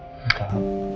betul pak al